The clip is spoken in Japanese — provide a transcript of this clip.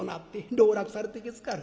籠絡されてけつかる。